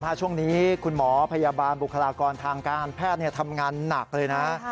ช่วงนี้คุณหมอพยาบาลบุคลากรทางการแพทย์ทำงานหนักเลยนะ